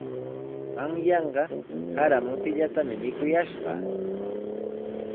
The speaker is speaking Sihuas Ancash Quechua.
Qanyanqa sara mutillatami mikuyashqaa.